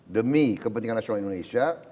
demi kepentingan nasional indonesia